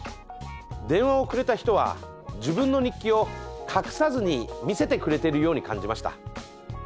電話をくれた人は自分の日記を隠さずに見せてくれてるように感じました。